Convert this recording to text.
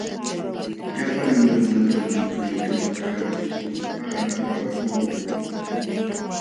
Llapa nunakunatam mikuy kamakaqluptin qalapaakuqlun.